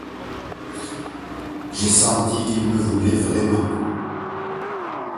J'ai senti qu'ils me voulaient vraiment.